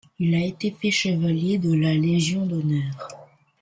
Il a été fait Chevalier de la Légion d'honneur.